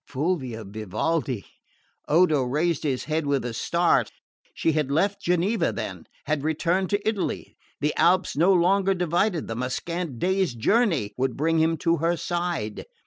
Fulvia Vivaldi! Odo raised his head with a start. She had left Geneva then, had returned to Italy. The Alps no longer divided them a scant day's journey would bring him to her side!